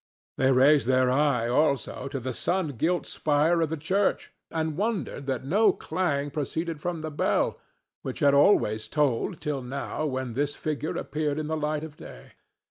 They raised their eyes, also, to the sun gilt spire of the church, and wondered that no clang proceeded from its bell, which had always tolled till now when this figure appeared in the light of day.